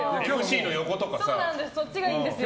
そっちがいいんですよ。